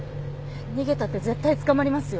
逃げたって絶対捕まりますよ。